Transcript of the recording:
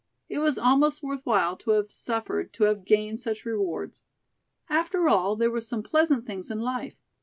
It was almost worth while to have suffered to have gained such rewards. After all, there were some pleasant things in life.